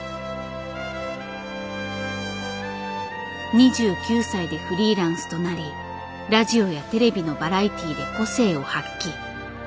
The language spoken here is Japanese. ２９歳でフリーランスとなりラジオやテレビのバラエティーで個性を発揮。